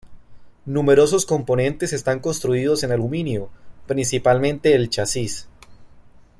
Numerosos componentes están construidos en aluminio, principalmente el chasis.